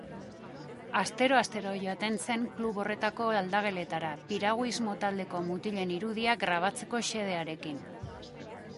Astero-astero joaten zen klub horretako aldageletara, piraguismo taldeko mutilen irudiak grabatzeko xedearekin.